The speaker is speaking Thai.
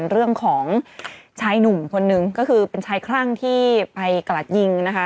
พรือเรื่องของชายหนุ่มคนหนึ่งก็คือชายครั่งที่ไปกราตยิงนะคะ